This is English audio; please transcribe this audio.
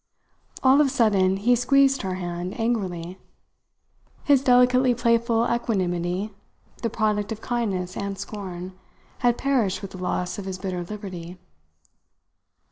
All of a sudden he squeezed her hand angrily. His delicately playful equanimity, the product of kindness and scorn, had perished with the loss of his bitter liberty.